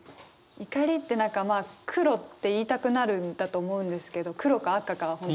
怒りって何か黒って言いたくなるんだと思うんですけど黒か赤か。